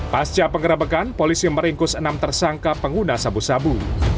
pasca penggerabakan polisi meringkus enam tersangka pengguna sabu sabu